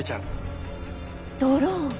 ドローン！